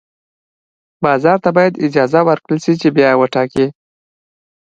بازار ته باید اجازه ورکړل شي چې بیې وټاکي.